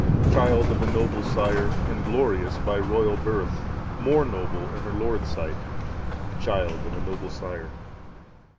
"Child of a noble sire, and glorious by royal birth, more noble in her Lord's sight, the child of a noble sire.